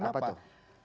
oke apa itu